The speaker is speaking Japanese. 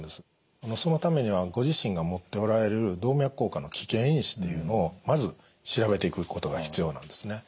そのためにはご自身が持っておられる動脈硬化の危険因子っていうのをまず調べていくことが必要なんですね。